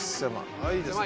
あいいですねえ。